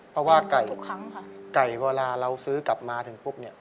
เพราะว่าไก่เวลาเราซื้อกลับมาถึงปุ๊บ